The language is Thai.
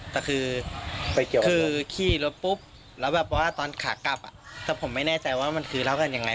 แต่คือขี่รถปุ๊บแล้วแบบว่าตอนขากลับแต่ผมไม่แน่ใจว่ามันคือเล่ากันยังไง